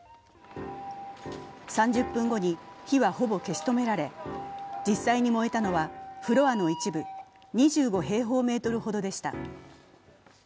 ３０分後に火はほぼ消し止められ、実際に燃えたのはフロアの一部、２５平方メートルほどでした。